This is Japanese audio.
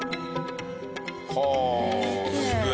はあすげえ。